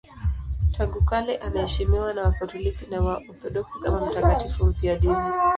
Tangu kale anaheshimiwa na Wakatoliki na Waorthodoksi kama mtakatifu mfiadini.